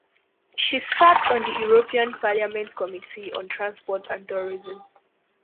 She sat on the European Parliament's Committee on Transport and Tourism.